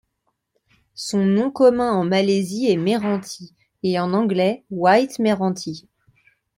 Son nom commun en Malaisie est meranti, et en anglais white meranti.